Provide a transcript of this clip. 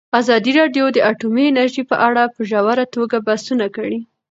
ازادي راډیو د اټومي انرژي په اړه په ژوره توګه بحثونه کړي.